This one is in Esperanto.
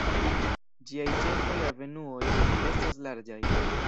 Ĝiaj ĉefaj avenuoj estas larĝaj.